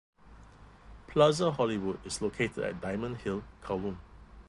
Plaza Hollywood is located at Diamond Hill, Kowloon.